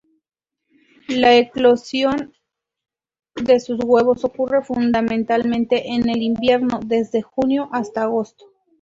La eclosión de sus huevos ocurre fundamentalmente en el invierno, desde junio hasta agosto.